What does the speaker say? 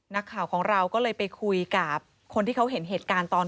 นักข่าวของเราก็เลยไปคุยกับคนที่เขาเห็นเหตุการณ์ตอน